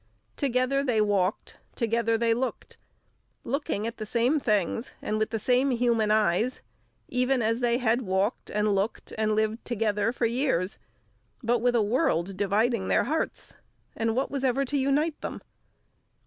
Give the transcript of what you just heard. Together they walked, together they looked; looking at the same things and with the same human eyes; even as they had walked, and looked, and lived together for years, but with a world dividing their hearts; and what was ever to unite them?